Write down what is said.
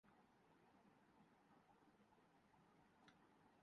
ان کی تحریر کا حصہ بنتے چلے جاتے ہیں